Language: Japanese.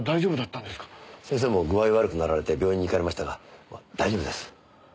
先生も具合悪くなられて病院に行かれましたが大丈夫です。